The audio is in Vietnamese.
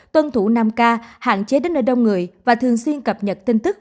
tuân thủ năm k hạn chế đến nơi đông người và thường xuyên cập nhật tin tức